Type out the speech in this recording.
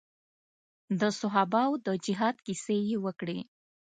د صحابه وو د جهاد کيسې يې وکړې.